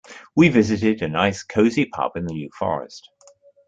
We visited a nice cosy pub in the New Forest.